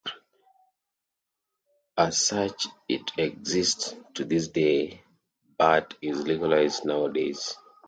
As such it exists to this day, but is legalized nowadays.